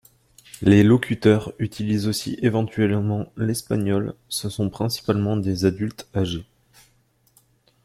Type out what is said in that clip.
Les locuteurs utilisent aussi éventuellement l'espagnol, ce sont principalement des adultes âgés.